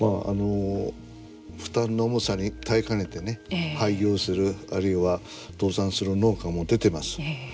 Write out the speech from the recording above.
負担の重さに耐えかねて廃業するあるいは倒産する農家も出てます。